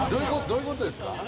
どういう事ですか？